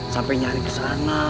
sampai nyari kesana